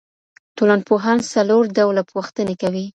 ټولنپوهان څلور ډوله پوښتنې کوي.